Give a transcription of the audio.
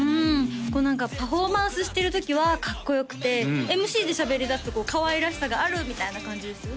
こう何かパフォーマンスしてるときはかっこよくてＭＣでしゃべりだすとかわいらしさがあるみたいな感じですよね